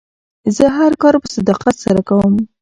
زه هر کار په صداقت سره کوم.